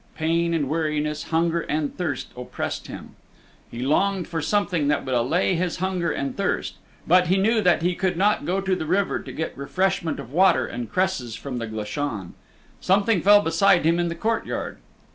Pain and weariness, hunger and thirst oppressed him. He longed for something that would allay his hunger and thirst. But he knew that he could not go to the river to get refreshment of water and cresses from the Glashan. Something fell beside him in the courtyard.